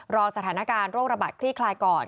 รอสถานการณ์โรคระบาดคลี่คลายก่อน